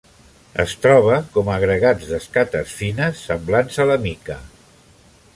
Es troba com a agregats d'escates fines, semblants a la mica.